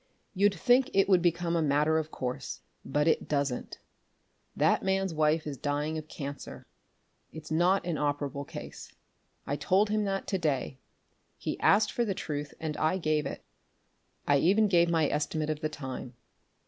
"You'd think it would become a matter of course, but it doesn't. That man's wife is dying of cancer. It's not an operable case. I told him that to day. He asked for the truth and I gave it. I even gave my estimate of the time."